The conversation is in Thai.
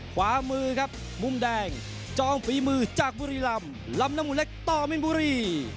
ขวามือครับมุมแดงจองฝีมือจากบุรีรำลำน้ำมูลเล็กต่อมินบุรี